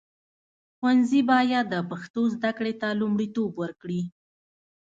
ښوونځي باید د پښتو زده کړې ته لومړیتوب ورکړي.